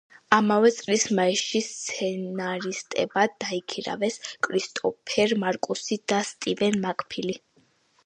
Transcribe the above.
ამავე წლის მაისში სცენარისტებად დაიქირავეს კრისტოფერ მარკუსი და სტივენ მაკფილი.